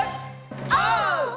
オー！